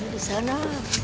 rumahnya di sana